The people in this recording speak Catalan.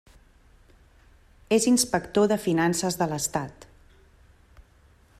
És Inspector de Finances de l'Estat.